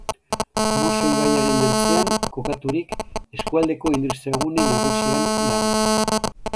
Mosa ibaiaren ertzean kokaturik, eskualdeko industriagune nagusian dago.